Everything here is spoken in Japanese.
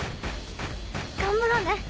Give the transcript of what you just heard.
頑張ろうね。